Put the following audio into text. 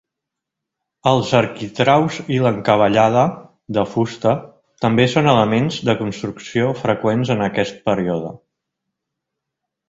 Els arquitraus i l'encavallada, de fusta, també són elements de construcció freqüents en aquest període.